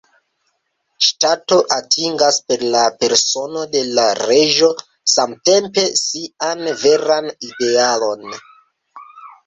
Ŝtato atingas per la persono de la reĝo samtempe sian veran idealon.